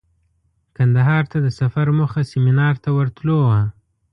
کندهار ته د سفر موخه سمینار ته ورتلو وه.